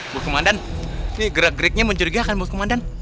bos kemandan ini gerak geriknya menjeligakan bos kemandan